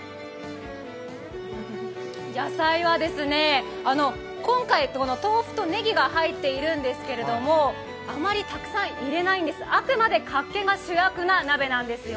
野菜は、今回豆腐とねぎが入っているんですけれども、あまりたくさん入れないんです、あくまでかっけが主役な鍋なんです。